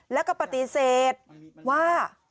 แล้วก็ปฏิเสธว่า